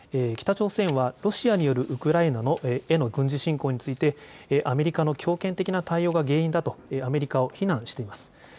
北朝鮮はロシアによるウクライナへの軍事侵攻についてアメリカの強権的な対応が原因だとアメリカを非難しています。